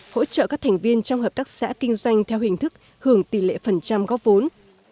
hỗ trợ các thành viên trong hợp tác xã kinh doanh theo hình thức hưởng tỷ lệ phần trăm góp vốn